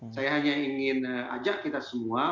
saya hanya ingin ajak kita semua